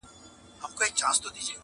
باور نسته یو په بل، سره وېریږي؛